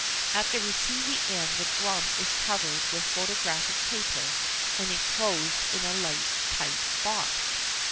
At the receiving end the drum is covered with photographic paper and enclosed in a light tight box.